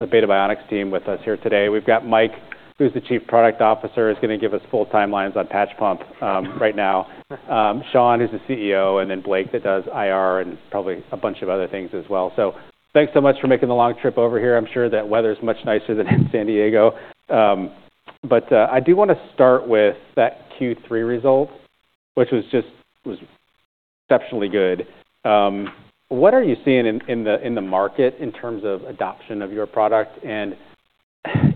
The Beta Bionics team with us here today. We've got Mike, who's the Chief Product Officer, is gonna give us full timelines on PatchPump, right now. Sean, who's the CEO, and then Blake that does IR and probably a bunch of other things as well. So thanks so much for making the long trip over here. I'm sure that weather's much nicer than in San Diego. But, I do wanna start with that Q3 result, which was just exceptionally good. What are you seeing in the market in terms of adoption of your product? And,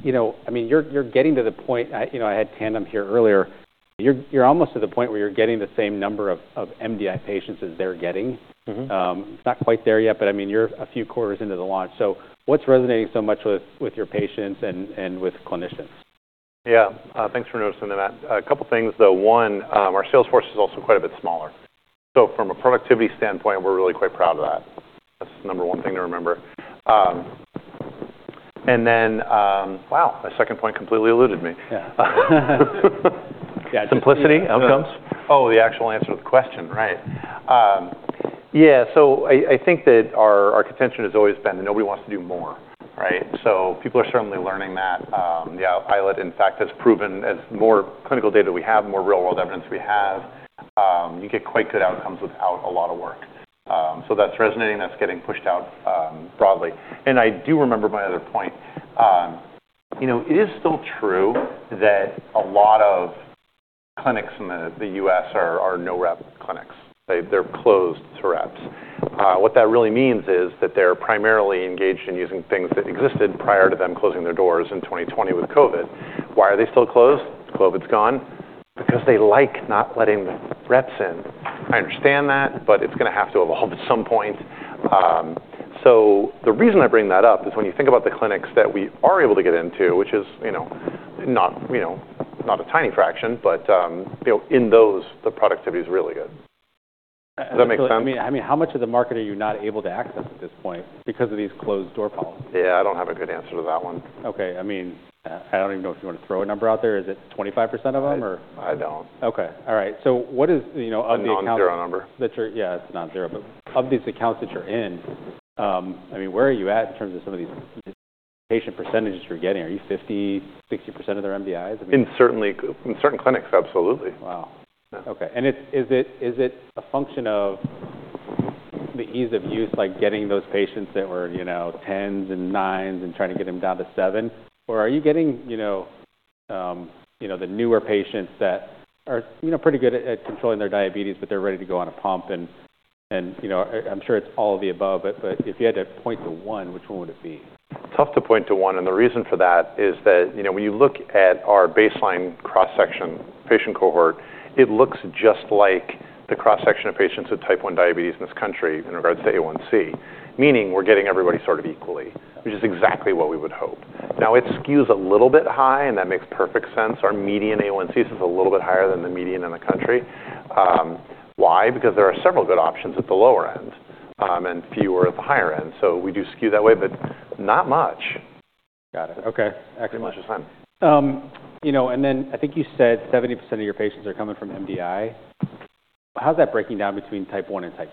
you know, I mean, you're getting to the point, you know, I had Tandem here earlier. You're almost to the point where you're getting the same number of MDI patients as they're getting. Mm-hmm. It's not quite there yet, but I mean, you're a few quarters into the launch. So what's resonating so much with your patients and with clinicians? Yeah. Thanks for noticing that. A couple things though. One, our sales force is also quite a bit smaller. So from a productivity standpoint, we're really quite proud of that. That's the number one thing to remember, and then, wow, my second point completely eluded me. Yeah. Yeah. Simplicity outcomes? Oh, the actual answer to the question, right. Yeah. So I, I think that our, our contention has always been that nobody wants to do more, right? So people are certainly learning that. Yeah, iLet, in fact, has proven as more clinical data we have, more real-world evidence we have, you get quite good outcomes without a lot of work. So that's resonating. That's getting pushed out, broadly. And I do remember my other point. You know, it is still true that a lot of clinics in the, the U.S. are, are no rep clinics. They, they're closed to reps. What that really means is that they're primarily engaged in using things that existed prior to them closing their doors in 2020 with COVID. Why are they still closed? COVID's gone because they like not letting the reps in. I understand that, but it's gonna have to evolve at some point, so the reason I bring that up is when you think about the clinics that we are able to get into, which is, you know, not, you know, not a tiny fraction, but, you know, in those, the productivity's really good. Does that make sense? I mean, how much of the market are you not able to access at this point because of these closed-door policies? Yeah. I don't have a good answer to that one. Okay. I mean, I don't even know if you wanna throw a number out there. Is it 25% of them, or? I don't. Okay. All right. So what is, you know, of the accounts? Not a zero number. That you're, yeah. It's not a zero. But of these accounts that you're in, I mean, where are you at in terms of some of these patient percentages you're getting? Are you 50%-60% of their MDIs? I mean. Certainly, in certain clinics, absolutely. Wow. Okay. And it's a function of the ease of use, like getting those patients that were, you know, 10s and 9s and trying to get them down to 7? Or are you getting, you know, the newer patients that are, you know, pretty good at controlling their diabetes, but they're ready to go on a pump and, you know, I'm sure it's all of the above. But if you had to point to one, which one would it be? Tough to point to one. And the reason for that is that, you know, when you look at our baseline cross-section patient cohort, it looks just like the cross-section of patients with type 1 diabetes in this country in regards to A1c, meaning we're getting everybody sort of equally, which is exactly what we would hope. Now, it skews a little bit high, and that makes perfect sense. Our median A1c is a little bit higher than the median in the country. Why? Because there are several good options at the lower end, and fewer at the higher end. So we do skew that way, but not much. Got it. Okay. Excellent. Pretty much is fine. You know, and then I think you said 70% of your patients are coming from MDI. How's that breaking down between type 1 and type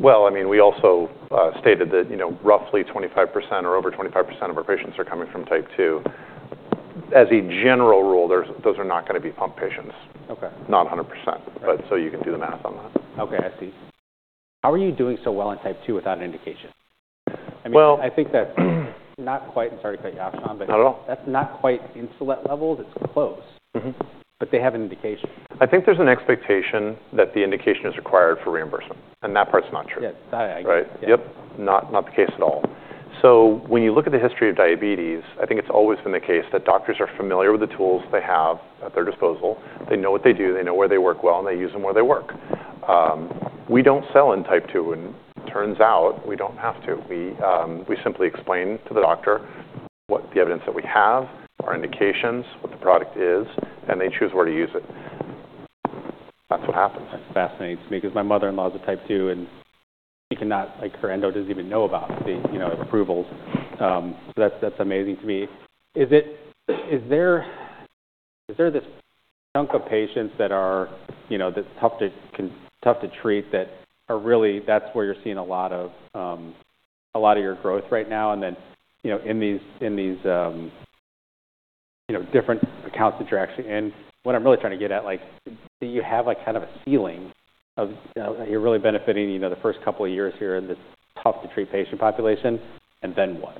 2? I mean, we also stated that, you know, roughly 25% or over 25% of our patients are coming from type 2. As a general rule, those are not gonna be pump patients. Okay. Not 100%. Right. But so you can do the math on that. Okay. I see. How are you doing so well in type 2 without an indication? I mean. Well. I'm sorry to cut you off, Sean, but. Not at all. That's not quite insulin levels. It's close. Mm-hmm. But they have an indication. I think there's an expectation that the indication is required for reimbursement, and that part's not true. Yeah. That I agree with. Right? Yep. Not, not the case at all. So when you look at the history of diabetes, I think it's always been the case that doctors are familiar with the tools they have at their disposal. They know what they do. They know where they work well, and they use them where they work. We don't sell in type 2, and turns out we don't have to. We, we simply explain to the doctor what the evidence that we have, our indications, what the product is, and they choose where to use it. That's what happens. That fascinates me 'cause my mother-in-law's a type 2, and she cannot, like, her endo doesn't even know about the, you know, approvals. So that's amazing to me. Is there this chunk of patients that are, you know, tough to treat that are really where you're seeing a lot of your growth right now? And then, you know, in these, you know, different accounts that you're actually in, what I'm really trying to get at, like, do you have, like, kind of a ceiling of, you're really benefiting, you know, the first couple of years here in this tough-to-treat patient population, and then what?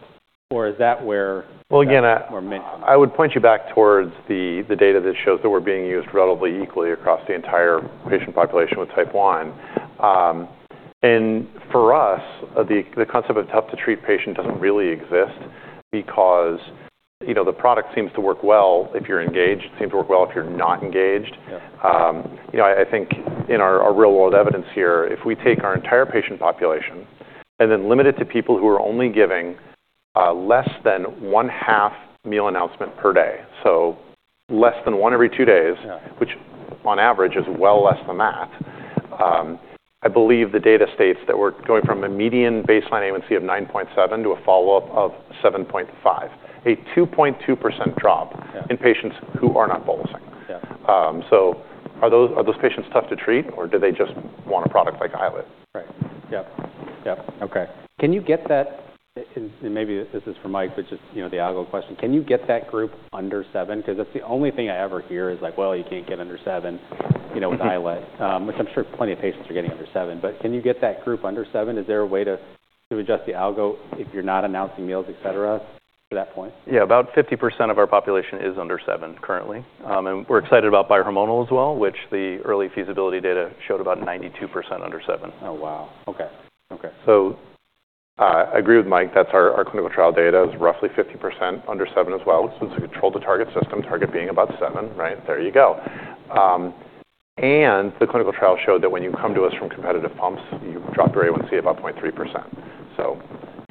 Or is that where. Again, I. More many? I would point you back towards the data that shows that we're being used relatively equally across the entire patient population with type 1, and for us, the concept of tough-to-treat patient doesn't really exist because, you know, the product seems to work well if you're engaged. It seems to work well if you're not engaged. Yeah. You know, I think in our real-world evidence here, if we take our entire patient population and then limit it to people who are only giving less than one-half meal announcement per day, so less than one every two days. Yeah. Which on average is well less than that. I believe the data states that we're going from a median baseline A1c of 9.7% to a follow-up of 7.5%, a 2.2% drop. Yeah. In patients who are not bolusing. Yeah. Are those patients tough to treat, or do they just want a product like iLet? Right. Yep. Yep. Okay. Can you get that? And maybe this is for Mike, but just, you know, the algo question. Can you get that group under 7? 'Cause that's the only thing I ever hear is like, "Well, you can't get under 7, you know, with iLet," which I'm sure plenty of patients are getting under 7. But can you get that group under 7? Is there a way to adjust the algo if you're not announcing meals, etc., for that point? Yeah. About 50% of our population is under 7 currently. And we're excited about bi-hormonal as well, which the early feasibility data showed about 92% under 7. Oh, wow. Okay. Okay. I agree with Mike. That's our clinical trial data, is roughly 50% under 7 as well, which is a controlled-to-target system, target being about 7, right? There you go, and the clinical trial showed that when you come to us from competitive pumps, you drop your A1c about 0.3%.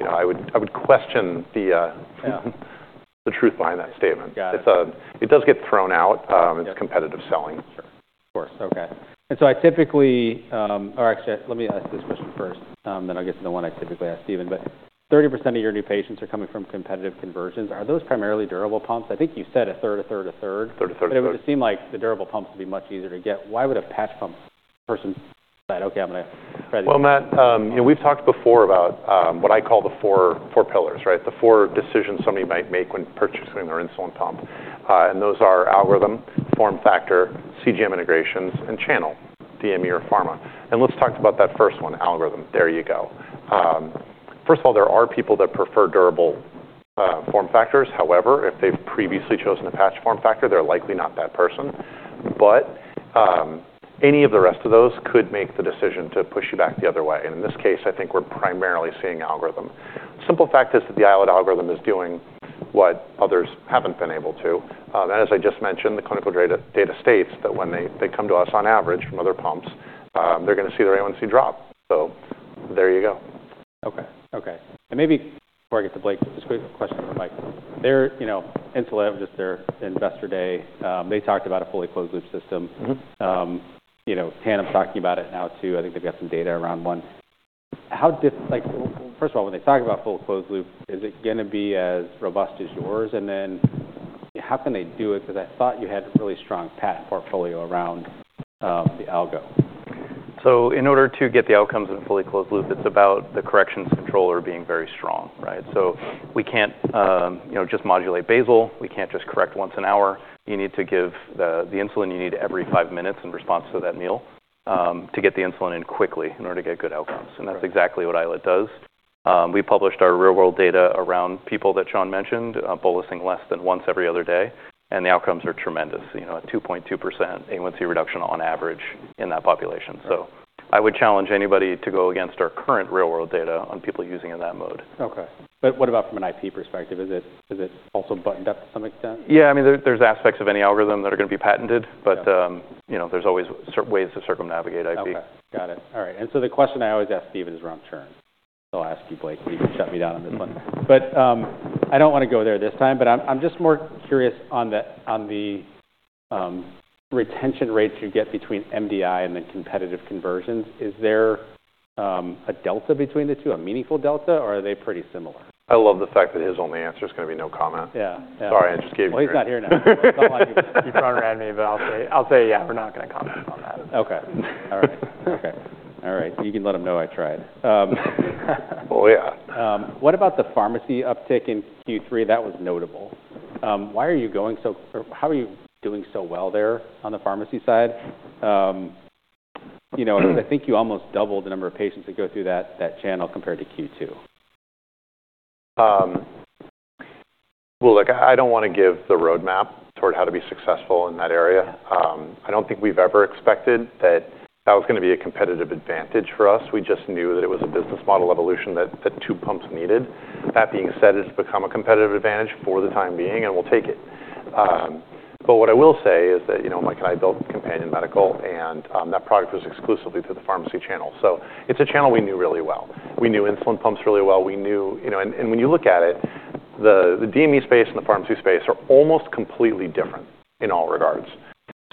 You know, I would question the, Yeah. The truth behind that statement. Yeah. It does get thrown out. It's competitive selling. Sure. Of course. Okay. And so I typically, or actually, let me ask this question first, then I'll get to the one I typically ask Stephen. But 30% of your new patients are coming from competitive conversions. Are those primarily durable pumps? I think you said a third, a third, a third. Third, a third, a third. But it would just seem like the durable pumps would be much easier to get. Why would a patch pump person say, "Okay. I'm gonna try this? Matt, you know, we've talked before about what I call the four pillars, right? The four decisions somebody might make when purchasing their insulin pump, and those are algorithm, form factor, CGM integrations, and channel, DME, or pharma, and let's talk about that first one, algorithm. There you go. First of all, there are people that prefer durable form factors. However, if they've previously chosen a patch form factor, they're likely not that person, but any of the rest of those could make the decision to push you back the other way, and in this case, I think we're primarily seeing algorithm. Simple fact is that the iLet algorithm is doing what others haven't been able to, and as I just mentioned, the clinical data states that when they come to us on average from other pumps, they're gonna see their A1c drop, so there you go. Okay. And maybe before I get to Blake, just a quick question for Mike. Their, you know, insulin, just their investor day, they talked about a fully closed-loop system. Mm-hmm. You know, Tandem's talking about it now too. I think they've got some data around one. How different, like, well, first of all, when they talk about full closed-loop, is it gonna be as robust as yours? And then, you know, how can they do it? 'Cause I thought you had a really strong patent portfolio around the algo. So in order to get the outcomes in a fully closed-loop, it's about the corrections controller being very strong, right? So we can't, you know, just modulate basal. We can't just correct once an hour. You need to give the insulin you need every five minutes in response to that meal, to get the insulin in quickly in order to get good outcomes. And that's exactly what iLet does. We published our real-world data around people that Sean mentioned, bolusing less than once every other day, and the outcomes are tremendous, you know, a 2.2% A1c reduction on average in that population. So I would challenge anybody to go against our current real-world data on people using it in that mode. Okay. But what about from an IP perspective? Is it, is it also buttoned up to some extent? Yeah. I mean, there's aspects of any algorithm that are gonna be patented, but, you know, there's always certain ways to circumnavigate IP. Okay. Got it. All right. And so the question I always ask Stephen is wrong turn. So I'll ask you, Blake. You can shut me down on this one. But I don't wanna go there this time, but I'm just more curious on the retention rate you get between MDI and then competitive conversions. Is there a delta between the two, a meaningful delta, or are they pretty similar? I love the fact that his only answer's gonna be no comment. Yeah. Yeah. Sorry. I just gave you a text. He's not here now. I don't like you throwing that around me, but I'll say, "Yeah. We're not gonna comment on that. Okay. All right. Okay. All right. You can let him know I tried. Well, yeah. What about the pharmacy uptick in Q3? That was notable. Why are you going so or how are you doing so well there on the pharmacy side? You know, 'cause I think you almost doubled the number of patients that go through that channel compared to Q2. Well, look, I don't wanna give the roadmap toward how to be successful in that area. I don't think we've ever expected that was gonna be a competitive advantage for us. We just knew that it was a business model evolution that two pumps needed. That being said, it's become a competitive advantage for the time being, and we'll take it. But what I will say is that, you know, Mike and I built Companion Medical, and that product was exclusively through the pharmacy channel. So it's a channel we knew really well. We knew insulin pumps really well. We knew, you know, and when you look at it, the DME space and the pharmacy space are almost completely different in all regards.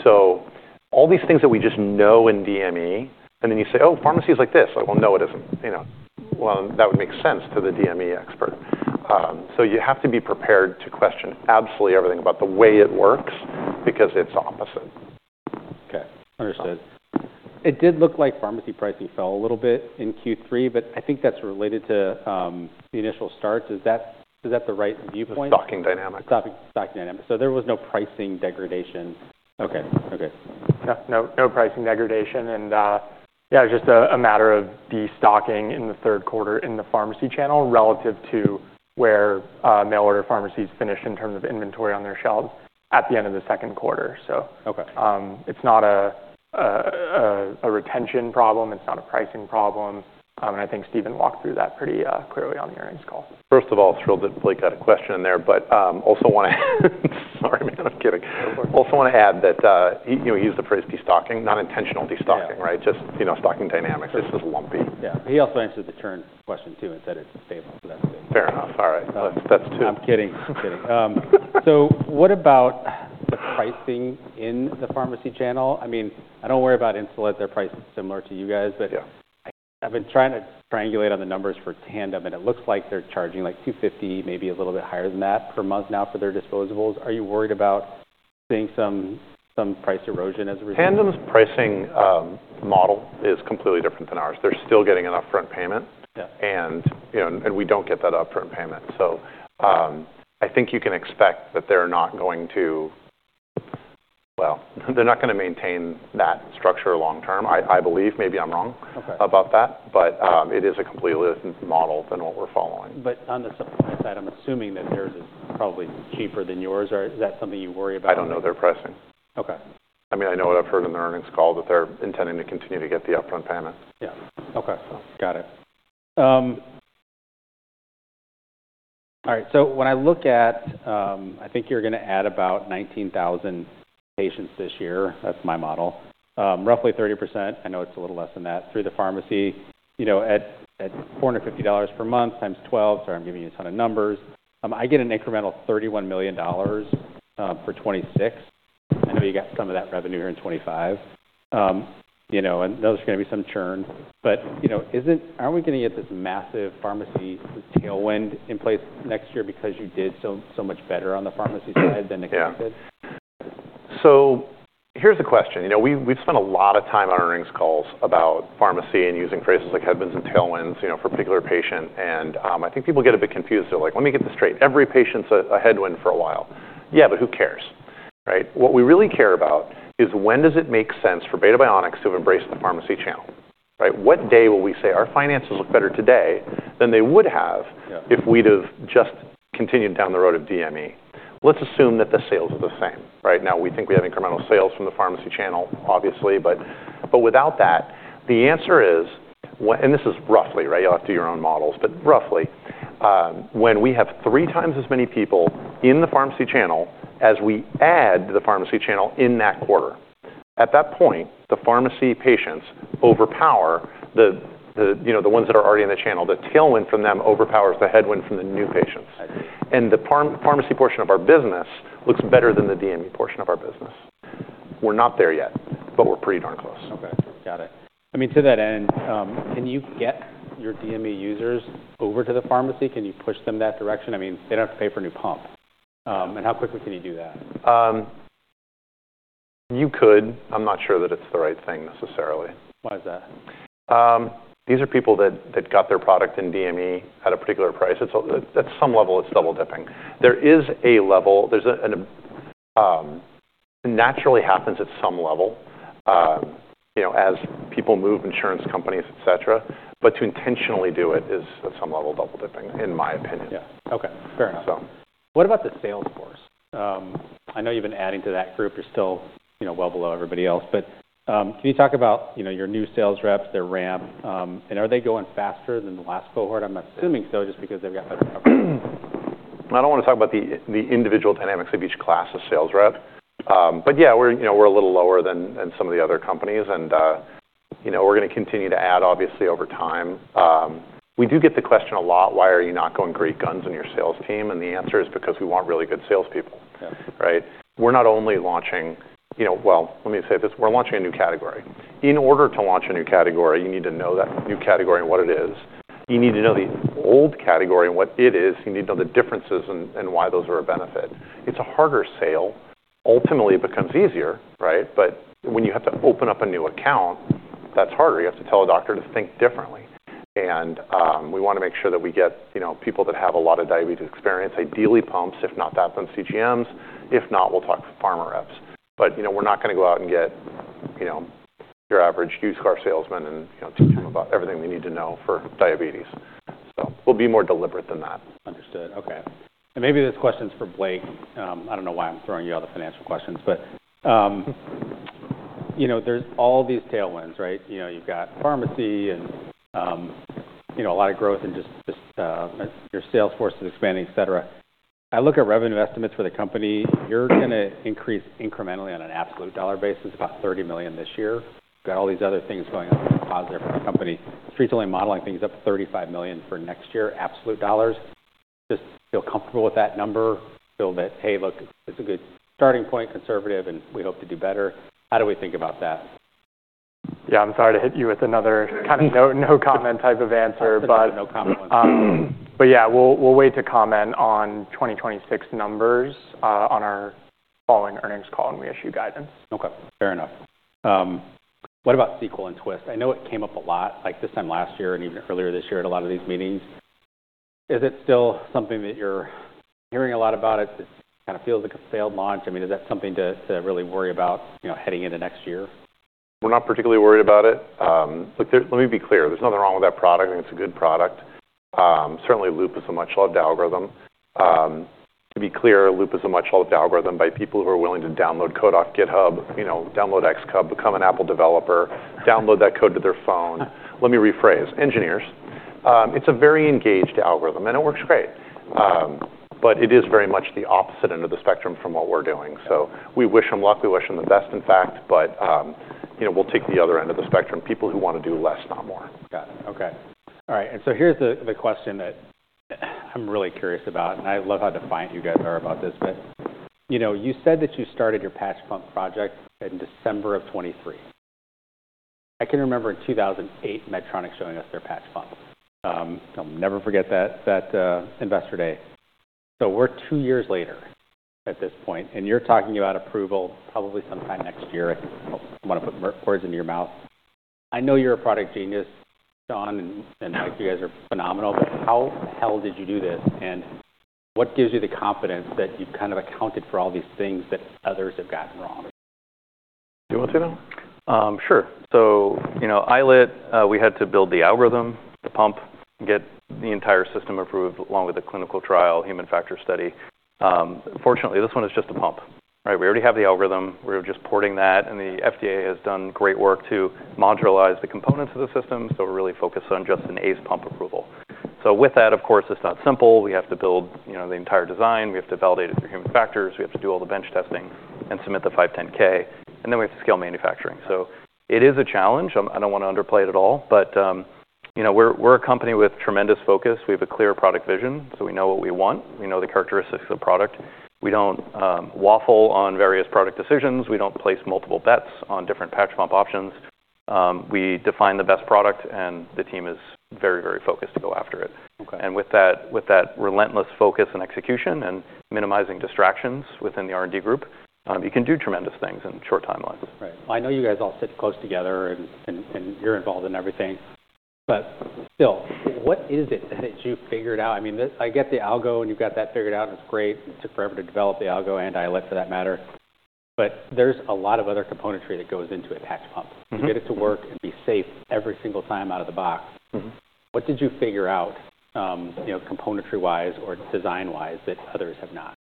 So all these things that we just know in DME, and then you say, "Oh, pharmacy's like this." Like, well, no, it isn't. You know, well, that would make sense to the DME expert. So you have to be prepared to question absolutely everything about the way it works because it's opposite. Okay. Understood. It did look like pharmacy pricing fell a little bit in Q3, but I think that's related to the initial start. Is that the right viewpoint? Stocking dynamic. Stocking dynamic. So there was no pricing degradation. Okay. Okay. Yeah. No, no pricing degradation. And, yeah, it was just a matter of destocking in the third quarter in the pharmacy channel relative to where mail order pharmacies finished in terms of inventory on their shelves at the end of the second quarter. So. Okay. It's not a retention problem. It's not a pricing problem. And I think Stephen walked through that pretty clearly on the earnings call. First of all, thrilled that Blake got a question in there, but also wanna sorry, man. I'm kidding. No worries. Also wanna add that he, you know, used the phrase destocking, not intentional destocking. Yeah. Right? Just, you know, stocking dynamic. This is lumpy. Yeah. He also answered the churn question too and said it's stable, so that's good. Fair enough. All right. So. That's two. I'm kidding. I'm kidding. So what about the pricing in the pharmacy channel? I mean, I don't worry about insulin. They're priced similar to you guys, but. Yeah. I've been trying to triangulate on the numbers for Tandem, and it looks like they're charging like $250, maybe a little bit higher than that per month now for their disposables. Are you worried about seeing some price erosion as a result? Tandem's pricing model is completely different than ours. They're still getting an upfront payment. Yeah. And, you know, and we don't get that upfront payment. So, I think you can expect that they're not going to, well, they're not gonna maintain that structure long term. I believe. Maybe I'm wrong. Okay. About that, but, it is a completely different model than what we're following. But on the supply side, I'm assuming that theirs is probably cheaper than yours. Or is that something you worry about? I don't know their pricing. Okay. I mean, I know what I've heard in the earnings call that they're intending to continue to get the upfront payment. Yeah. Okay. Got it. All right. So when I look at, I think you're gonna add about 19,000 patients this year. That's my model. Roughly 30%. I know it's a little less than that through the pharmacy. You know, at $450 per month times 12, sorry, I'm giving you a ton of numbers. I get an incremental $31 million for 2026. I know you got some of that revenue here in 2025. You know, and those are gonna be some churn. But, you know, isn't, aren't we gonna get this massive pharmacy tailwind in place next year because you did so, so much better on the pharmacy side than expected? Yeah. So here's the question. You know, we've spent a lot of time on earnings calls about pharmacy and using phrases like headwinds and tailwinds, you know, for a particular patient. And, I think people get a bit confused. They're like, "Let me get this straight. Every patient's a headwind for a while." Yeah. But who cares, right? What we really care about is when does it make sense for Beta Bionics to embrace the pharmacy channel, right? What day will we say our finances look better today than they would have. Yeah. If we'd have just continued down the road of DME? Let's assume that the sales are the same, right? Now, we think we have incremental sales from the pharmacy channel, obviously, but without that, the answer is, and this is roughly, right? You'll have to do your own models, but roughly, when we have three times as many people in the pharmacy channel as we add to the pharmacy channel in that quarter, at that point, the pharmacy patients overpower the, you know, the ones that are already in the channel. The tailwind from them overpowers the headwind from the new patients. I see. The pharmacy portion of our business looks better than the DME portion of our business. We're not there yet, but we're pretty darn close. Okay. Got it. I mean, to that end, can you get your DME users over to the pharmacy? Can you push them that direction? I mean, they don't have to pay for a new pump. And how quickly can you do that? You could. I'm not sure that it's the right thing necessarily. Why is that? These are people that got their product in DME at a particular price. It's, at some level, it's double dipping. There is a level. It naturally happens at some level, you know, as people move, insurance companies, etc. But to intentionally do it is, at some level, double dipping, in my opinion. Yeah. Okay. Fair enough. So. What about the sales force? I know you've been adding to that group. You're still, you know, well below everybody else. But, can you talk about, you know, your new sales reps, their ramp? And are they going faster than the last cohort? I'm assuming so just because they've got better numbers. I don't wanna talk about the individual dynamics of each class of sales rep, but yeah, we're, you know, we're a little lower than some of the other companies. And, you know, we're gonna continue to add, obviously, over time. We do get the question a lot, "Why are you not going great guns in your sales team?" And the answer is because we want really good salespeople. Yeah. Right? We're not only launching, you know, well, let me say this. We're launching a new category. In order to launch a new category, you need to know that new category and what it is. You need to know the old category and what it is. You need to know the differences and why those are a benefit. It's a harder sale. Ultimately, it becomes easier, right? But when you have to open up a new account, that's harder. You have to tell a doctor to think differently. And we wanna make sure that we get, you know, people that have a lot of diabetes experience, ideally pumps, if not that, then CGMs. If not, we'll talk pharma reps. But, you know, we're not gonna go out and get, you know, your average used car salesman and, you know, teach them about everything they need to know for diabetes. So we'll be more deliberate than that. Understood. Okay. And maybe this question's for Blake. I don't know why I'm throwing you all the financial questions, but, you know, there's all these tailwinds, right? You know, you've got pharmacy and, you know, a lot of growth and just your sales force is expanding, etc. I look at revenue estimates for the company. You're gonna increase incrementally on an absolute dollar basis, about $30 million this year. You've got all these other things going on that are positive for the company. It's recently modeling things up to $35 million for next year, absolute dollars. Just feel comfortable with that number? Feel that, "Hey, look, it's a good starting point, conservative, and we hope to do better." How do we think about that? Yeah. I'm sorry to hit you with another kind of no-no comment type of answer, but. No comment on that. But yeah, we'll wait to comment on 2026 numbers on our following earnings call when we issue guidance. Okay. Fair enough. What about Sequel and twiist? I know it came up a lot, like this time last year and even earlier this year at a lot of these meetings. Is it still something that you're hearing a lot about? It kinda feels like a failed launch. I mean, is that something to really worry about, you know, heading into next year? We're not particularly worried about it. Look, let me be clear. There's nothing wrong with that product, and it's a good product. Certainly, Loop is a much-loved algorithm. To be clear, Loop is a much-loved algorithm by people who are willing to download code off GitHub, you know, download Xcode, become an Apple developer, download that code to their phone. Let me rephrase. Engineers. It's a very engaged algorithm, and it works great. But it is very much the opposite end of the spectrum from what we're doing. So we wish them luck. We wish them the best, in fact. But, you know, we'll take the other end of the spectrum, people who wanna do less, not more. Got it. Okay. All right. And so here's the question that I'm really curious about, and I love how defined you guys are about this, but you know, you said that you started your patch pump project in December of 2023. I can remember in 2008, Medtronic showing us their patch pump. I'll never forget that investor day. So we're two years later at this point, and you're talking about approval probably sometime next year. I wanna put words into your mouth. I know you're a product genius, Sean, and like, you guys are phenomenal, but how the hell did you do this? And what gives you the confidence that you've kind of accounted for all these things that others have gotten wrong? Do you want to know? Sure. So, you know, iLet, we had to build the algorithm, the pump, get the entire system approved along with the clinical trial, human factors study. Fortunately, this one is just a pump, right? We already have the algorithm. We're just porting that, and the FDA has done great work to modularize the components of the system. So we're really focused on just an ACE pump approval. So with that, of course, it's not simple. We have to build, you know, the entire design. We have to validate it through human factors. We have to do all the bench testing and submit the 510(k). And then we have to scale manufacturing. So it is a challenge. I don't wanna underplay it at all, but, you know, we're a company with tremendous focus. We have a clear product vision, so we know what we want. We know the characteristics of the product. We don't waffle on various product decisions. We don't place multiple bets on different patch pump options. We define the best product, and the team is very, very focused to go after it. Okay. And with that, with that relentless focus and execution and minimizing distractions within the R&D group, you can do tremendous things in short timelines. Right. I know you guys all sit close together, and you're involved in everything, but still, what is it that you figured out? I mean, I get the algo, and you've got that figured out, and it's great. It took forever to develop the algo, and iLet, for that matter. But there's a lot of other componentry that goes into a patch pump. Mm-hmm. To get it to work and be safe every single time out of the box. Mm-hmm. What did you figure out, you know, componentry-wise or design-wise that others have not?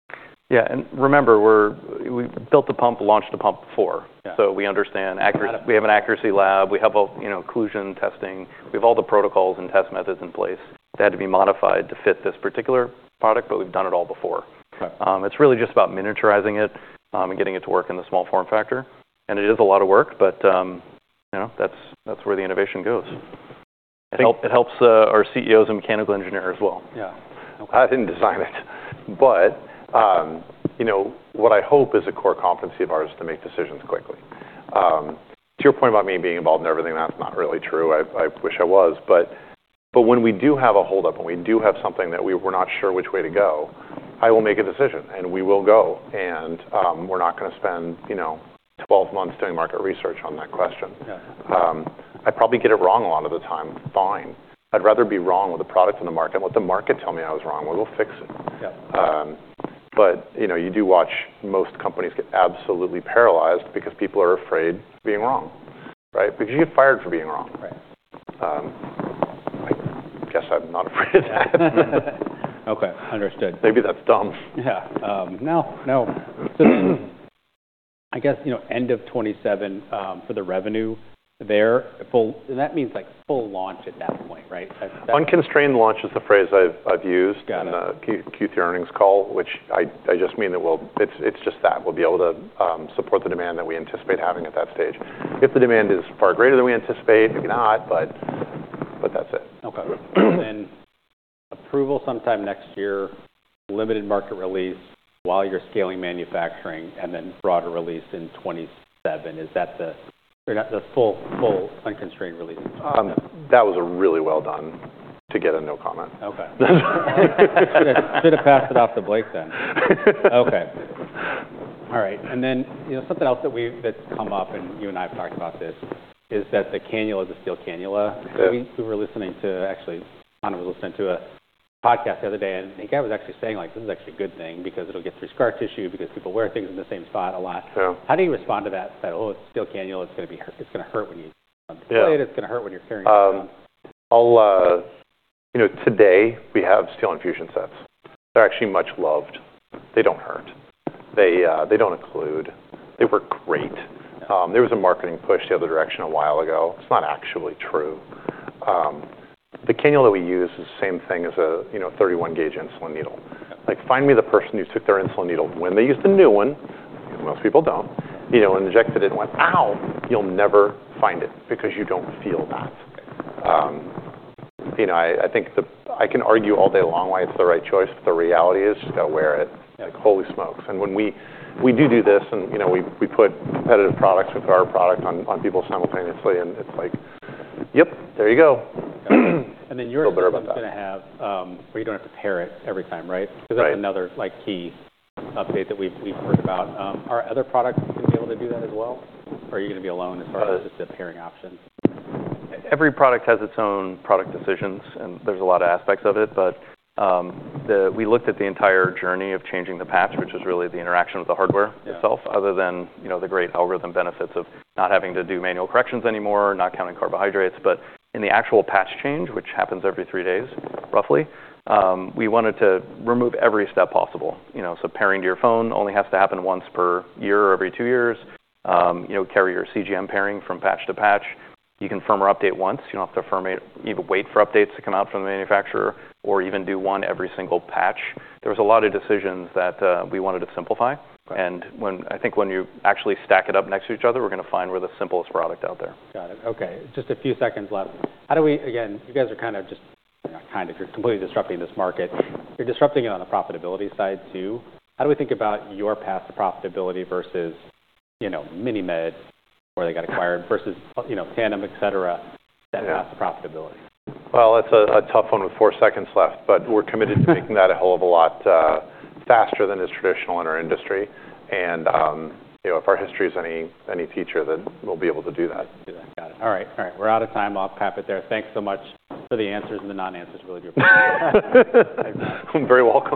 Yeah. Remember, we built a pump, launched a pump before. Yeah. So we understand accuracy. Got it. We have an accuracy lab. We have all, you know, occlusion testing. We have all the protocols and test methods in place that had to be modified to fit this particular product, but we've done it all before. Okay. It's really just about miniaturizing it, and getting it to work in the small form factor. It is a lot of work, but, you know, that's, that's where the innovation goes. I think. It helps our CEOs and mechanical engineers as well. Yeah. Okay. I didn't design it, but, you know, what I hope is a core competency of ours is to make decisions quickly. To your point about me being involved in everything, that's not really true. I wish I was, but when we do have a holdup and we do have something that we were not sure which way to go, I will make a decision, and we will go, and we're not gonna spend, you know, 12 months doing market research on that question. Yeah. I probably get it wrong a lot of the time. Fine. I'd rather be wrong with the product in the market and let the market tell me I was wrong. We'll fix it. Yeah. But, you know, you do watch most companies get absolutely paralyzed because people are afraid of being wrong, right? Because you get fired for being wrong. Right. I guess I'm not afraid of that. Okay. Understood. Maybe that's dumb. Yeah, no, no. So I guess, you know, end of 2027, for the revenue there, full, that means like full launch at that point, right? Unconstrained launch is the phrase I've used. Got it. In the Q2 earnings call, which I just mean that we'll, it's just that. We'll be able to support the demand that we anticipate having at that stage. If the demand is far greater than we anticipate, maybe not, but that's it. Okay. And approval sometime next year, limited market release while you're scaling manufacturing, and then broader release in 2027. Is that the full unconstrained release? That was really well done to get a no comment. Okay. Should've passed it off to Blake then. Okay. All right. And then, you know, something else that we've, that's come up, and you and I have talked about this, is that the cannula is a steel cannula. Yeah. We were listening to, actually, Sean was listening to a podcast the other day, and the guy was actually saying, like, "This is actually a good thing because it'll get through scar tissue because people wear things in the same spot a lot. Yeah. How do you respond to that, "Oh, it's a steel cannula. It's gonna hurt? It's gonna hurt when you place it. It's gonna hurt when you're wearing it. All, you know, today we have steel infusion sets. They're actually much loved. They don't hurt. They don't occlude. They work great. Yeah. There was a marketing push the other direction a while ago. It's not actually true. The cannula that we use is the same thing as a, you know, 31-gauge insulin needle. Okay. Like, find me the person who took their insulin needle when they used the new one. Most people don't, you know, and injected it and went, "Ow." You'll never find it because you don't feel that. You know, I, I think the, I can argue all day long why it's the right choice, but the reality is you gotta wear it. Yeah. Like, holy smokes. And when we do this, and, you know, we put competitive products with our product on people simultaneously, and it's like, "Yep, there you go. And then you're. A little better about that. Gonna have, where you don't have to pair it every time, right? Right. 'Cause that's another, like, key update that we've heard about. Are other products gonna be able to do that as well, or are you gonna be alone as far as just the pairing option? Every product has its own product decisions, and there's a lot of aspects of it, but we looked at the entire journey of changing the patch, which was really the interaction with the hardware itself. Yeah. Other than, you know, the great algorithm benefits of not having to do manual corrections anymore, not counting carbohydrates, but in the actual patch change, which happens every three days, roughly, we wanted to remove every step possible, you know? So pairing to your phone only has to happen once per year or every two years. You know, carry your CGM pairing from patch to patch. You confirm or update once. You don't have to firmly either wait for updates to come out from the manufacturer or even do one every single patch. There was a lot of decisions that we wanted to simplify. Okay. When I think you actually stack it up next to each other, we're gonna find we're the simplest product out there. Got it. Okay. Just a few seconds left. How do we, again, you guys are kind of just, you know, kind of, you're completely disrupting this market. You're disrupting it on the profitability side too. How do we think about your path to profitability versus, you know, MiniMed, where they got acquired versus, you know, Tandem, etc., that path to profitability? That's a tough one with four seconds left, but we're committed to making that a hell of a lot faster than is traditional in our industry. You know, if our history is any teacher, then we'll be able to do that. Do that. Got it. All right. All right. We're out of time. I'll wrap it there. Thanks so much for the answers and the non-answers, really, group. I'm very welcome.